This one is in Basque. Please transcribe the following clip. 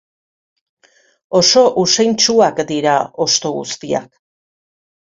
Oso usaintsuak dira hosto guztiak.